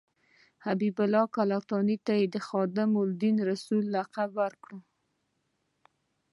حبیب الله کلکاني ته یې د خادم دین رسول الله لقب ورکړ.